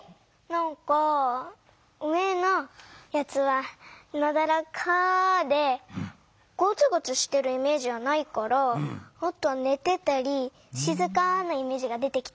なんか上のやつはなだらかでゴツゴツしてるイメージはないからあとはねてたりしずかなイメージが出てきた。